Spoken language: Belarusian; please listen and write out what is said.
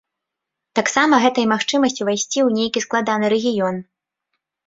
Таксама гэта і магчымасць увайсці ў нейкі складаны рэгіён.